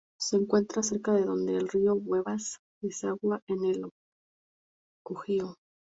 Se encuentra cerca de donde el río Wabash desagua en el Ohio.